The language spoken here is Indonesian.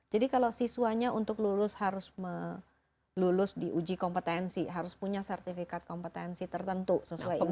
jadi kalau siswanya untuk lulus harus melulus di uji kompetensi harus punya sertifikat kompetensi tertentu sesuai industri